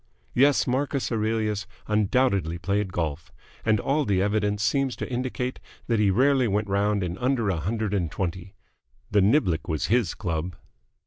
Yes, Marcus Aurelius undoubtedly played golf, and all the evidence seems to indicate that he rarely went round in under a hundred and twenty. The niblick was his club.